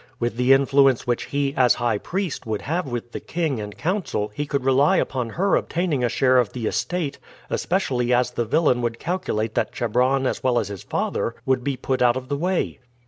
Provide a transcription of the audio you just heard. With the influence which he, as high priest, would have with the king and council he could rely upon her obtaining a share of the estate, especially as the villain would calculate that Chebron as well as his father would be put out of the way.